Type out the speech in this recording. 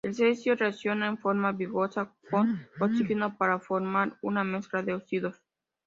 El cesio reacciona en forma vigorosa con oxígeno para formar una mezcla de óxidos.